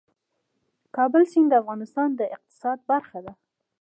د کابل سیند د افغانستان د اقتصاد برخه ده.